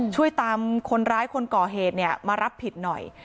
ช่วยตามคนร้ายคนก่อเหตุมารับผิดหน่อย